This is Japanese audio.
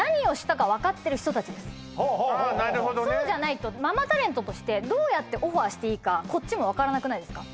なるほどねそうじゃないとママタレントとしてどうやってオファーしていいかこっちも分からなくないですか？